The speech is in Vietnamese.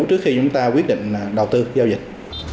trước khi chúng ta quyết định đầu tư giao dịch